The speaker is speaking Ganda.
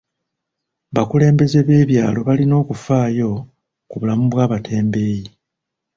Bakulembeze b'ebyalo balina okufaayo ku bulamu bw'abatembeeyi.